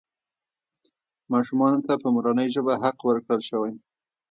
ماشومانو ته په مورنۍ ژبه حق ورکړل شوی.